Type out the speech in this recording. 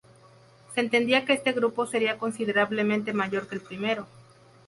Se entendía que este grupo sería considerablemente mayor que el primero.